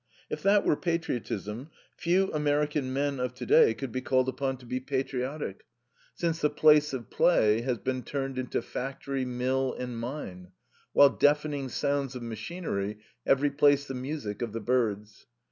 If that were patriotism, few American men of today could be called upon to be patriotic, since the place of play has been turned into factory, mill, and mine, while deafening sounds of machinery have replaced the music of the birds.